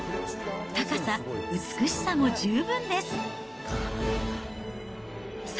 高さ、美しさも十分です。